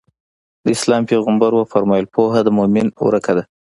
د اسلام پيغمبر ص وفرمايل پوهه د مؤمن ورکه ده.